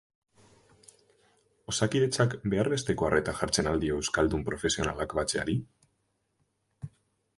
Osakidetzak behar besteko arreta jartzen al dio euskaldun profesionalak batzeari?